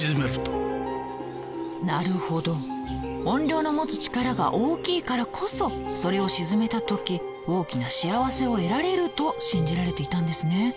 怨霊の持つ力が大きいからこそそれを鎮めた時大きな幸せを得られると信じられていたんですね。